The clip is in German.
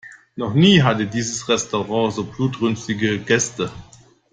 Noch nie hatte dieses Restaurant so blutrünstige Gäste.